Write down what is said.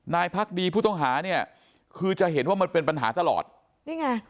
พักดีผู้ต้องหาเนี่ยคือจะเห็นว่ามันเป็นปัญหาตลอดนี่ไง